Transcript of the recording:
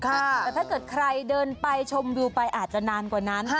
แต่ถ้าเกิดใครเดินไปชมวิวไปอาจจะนานกว่านั้น